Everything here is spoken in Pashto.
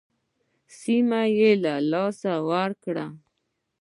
سیمې یې له لاسه ورکړې.